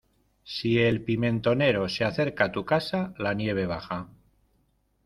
Si el pimentonero se acerca a tu casa, la nieve baja.